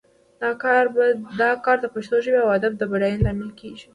دا کار د پښتو ژبې او ادب د بډاینې لامل کیږي